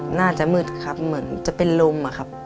น่าจะมืดครับเหมือนจะเป็นลมอะครับ